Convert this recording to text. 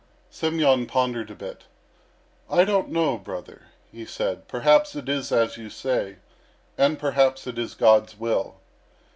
Semyon pondered a bit. "I don't know, brother," he said; "perhaps it is as you say, and perhaps it is God's will."